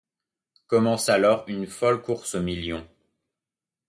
Commence alors une folle course aux millions.